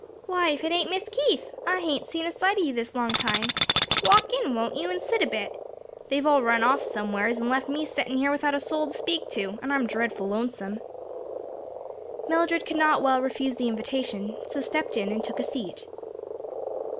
"Why, if it ain't Miss Keith! I hain't seen a sight o' you this long time. Walk in, won't you? and sit a bit. They've all run off somewheres and left me settin' here without a soul to speak to, and I'm dreadful lonesome." Mildred could not well refuse the invitation, so stepped in and took a seat.